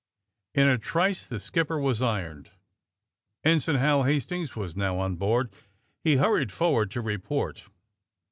In a trice the skipper was ironed. Ensign Hal Hastings was now on board. He hurried forward to report.